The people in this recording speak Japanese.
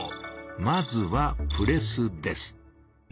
まずは「プレス」です。